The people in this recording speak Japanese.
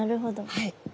はい。